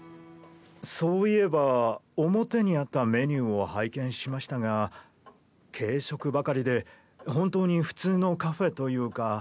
そういえば表にあったメニューを拝見しましたが軽食ばかりで本当に普通のカフェというか。